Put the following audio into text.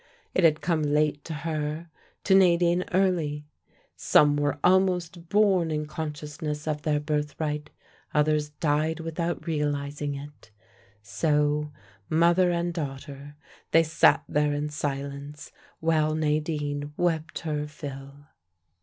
It had come late to her, to Nadine early: some were almost born in consciousness of their birthright, others died without realizing it. So, mother and daughter, they sat there in silence, while Nadine wept her fill.